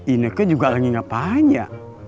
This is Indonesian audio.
ineke juga lagi ngapain ya